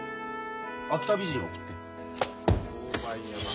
秋田美人送って。